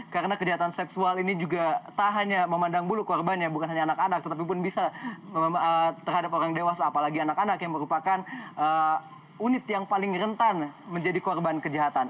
karena kejahatan seksual ini juga tak hanya memandang bulu korbannya bukan hanya anak anak tetap pun bisa terhadap orang dewasa apalagi anak anak yang merupakan unit yang paling rentan menjadi korban kejahatan